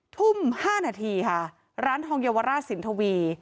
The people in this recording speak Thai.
ทุ่ม๕นาทีค่ะร้านทองเยาวราชสินทวี